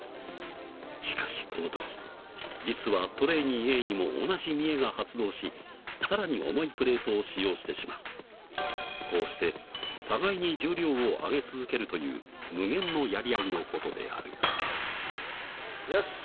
しかしこの時実はトレーニーＡにも同じ見栄が発動しさらに重いプレートを使用してしまうこうして互いに重量を上げ続けるという無限のやり合いの事であるよし！